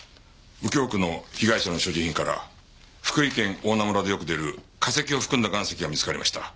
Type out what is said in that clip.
右京区の被害者の所持品から福井県大菜村でよく出る化石を含んだ岩石が見つかりました。